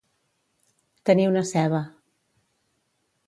Tenir una ceba.